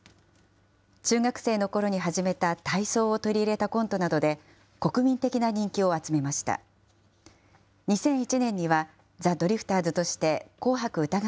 中学生のころに始めた体操を取り入れたコントなどで、国民的な人気を集めました。